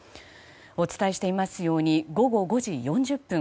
お伝えしていますように午後５時４０分